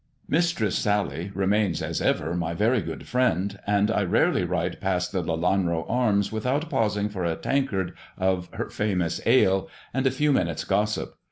" Mistress Sally remains as ever my very good friend, and I rarely ride past the ' Lelanro Arms ' without pausing for a tankard of her famous ale, and a few minutes' gossip.